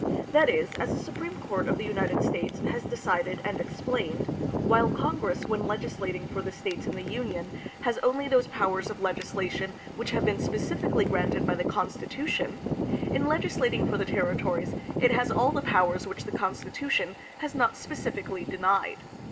That is, as the Supreme Court of the United States has decided and explained, while Congress when legislating for the states in the Union has AMERICA AND THE PHILIPPINES, 317 only those powers of legislation which have been specifi cally granted by the Constitution, in legislating for the territories it has all the powers which the Constitution has not specifically denied.